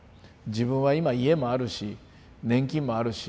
自分は今家もあるし年金もあるし